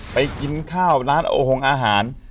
กินข้าวร้านโอหงอาหาร